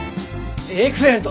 エクセレント！